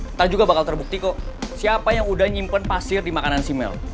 ntar juga bakal terbukti kok siapa yang udah nyimpen pasir di makanan si mel